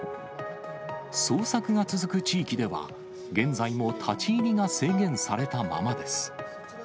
捜索が続く地域では、現在も立ち入りが制限されたままです。